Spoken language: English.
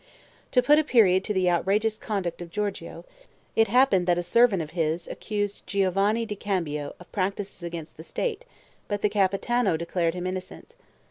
To put a period to the outrageous conduct of Giorgio, it happened that a servant of his accused Giovanni di Cambio of practices against the state, but the Capitano declared him innocent.